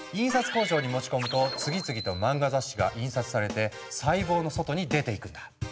工場に持ち込むと次々と漫画雑誌が印刷されて細胞の外に出ていくんだ。